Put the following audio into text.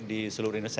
di seluruh indonesia